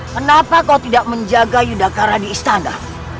kenapa kau tidak menjaga yudhakara di istana